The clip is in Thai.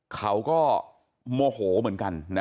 เขาก็โมโหเหมือนกัน